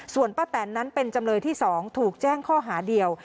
ส่วนป้าแตนนั้นเป็นจำเลยที่๒ถูกแจ้งข้อหาเดียว